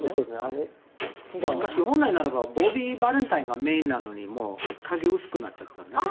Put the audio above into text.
本来ならボビー・バレンタインがメインなのに影が薄くなっちゃったのでね。